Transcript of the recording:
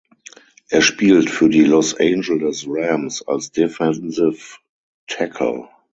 Er spielt für die Los Angeles Rams als Defensive Tackle.